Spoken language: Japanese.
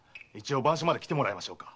番所まで来てもらいましょうか。